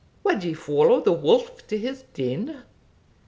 Wad ye follow the wolf to his den?